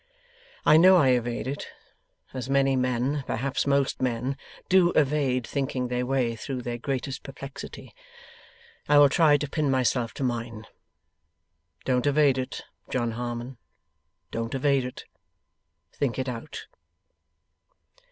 I know I evade it, as many men perhaps most men do evade thinking their way through their greatest perplexity. I will try to pin myself to mine. Don't evade it, John Harmon; don't evade it; think it out!